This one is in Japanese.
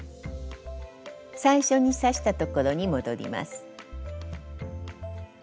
最初に刺したところに戻ります。